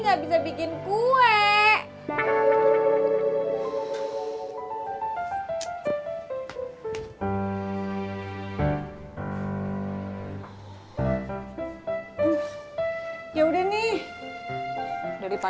kan cuma ditanya